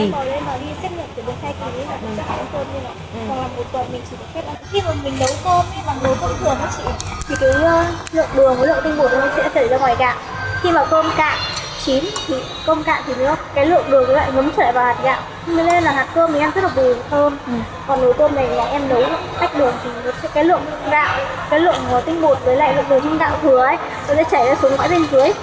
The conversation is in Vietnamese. cái lượng gạo cái lượng tinh bột với lại lượng đường như gạo thừa ấy nó sẽ chảy ra xuống gõi bên dưới